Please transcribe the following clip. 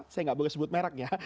saya nggak boleh sebut merek ya